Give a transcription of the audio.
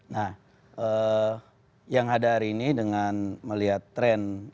nah yang ada hari ini dengan melihat tren